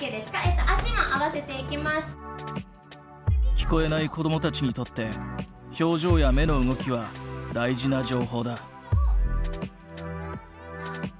聞こえない子どもたちにとって表情や目の動きは大事な情報だ。